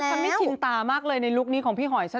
ฉันไม่ชินตามากเลยในลุคนี้ของพี่หอยซะ